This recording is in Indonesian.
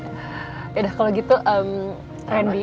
yaudah kalau gitu randy